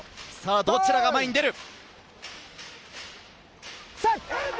どちらが前に出る？